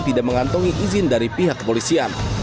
tidak mengantongi izin dari pihak kepolisian